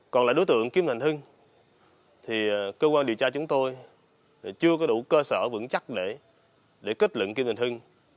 còn lại đối tượng kim thành hưng thì cơ quan điều tra chúng tôi chưa có đủ cơ sở vững chắc để kết luận kim bình hưng